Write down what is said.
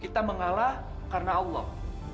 kita mengalah karena allah